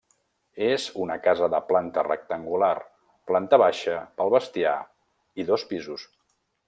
És una casa de planta rectangular, planta baixa pel bestiar i dos pisos.